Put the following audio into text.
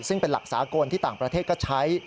ซึ่งเป็นหลักสากลที่ต่างประเทศก็ใช้